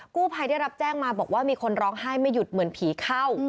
กู้ภัยได้รับแจ้งมาบอกว่ามีคนร้องไห้ไม่หยุดเหมือนผีเข้า